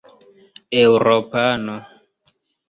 eŭropano